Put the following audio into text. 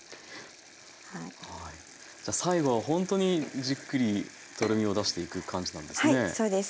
最後はほんとにじっくりとろみを出していく感じなんですね。